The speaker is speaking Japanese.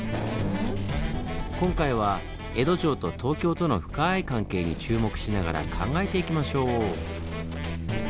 今回は江戸城と東京との深い関係に注目しながら考えていきましょう！